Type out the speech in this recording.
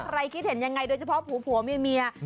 คิดเห็นยังไงโดยเฉพาะผัวเมีย